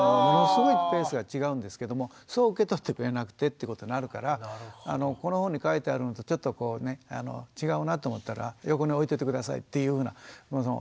ものすごいペースが違うんですけどもそう受け取ってくれなくてってことになるからこの本に書いてあるのとちょっとこうね違うなと思ったら横に置いといて下さいっていうような。